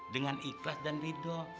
dengan ikhlas dan rido